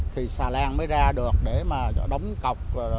thì xà lan mới ra được để mà đóng cọc